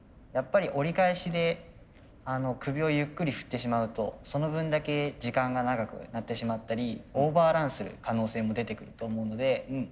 やっぱり折り返しで首をゆっくり振ってしまうとその分だけ時間が長くなってしまったりオーバーランする可能性も出てくると思うので。